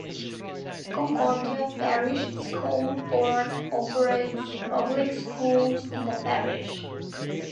Concordia Parish School Board operates public schools in the parish.